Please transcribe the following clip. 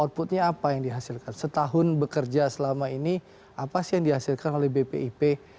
outputnya apa yang dihasilkan setahun bekerja selama ini apa sih yang dihasilkan oleh bpip